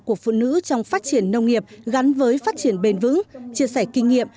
của phụ nữ trong phát triển nông nghiệp gắn với phát triển bền vững chia sẻ kinh nghiệm